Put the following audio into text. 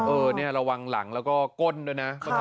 เออนี่ระวังหลังแล้วก็ก้นด้วยนะ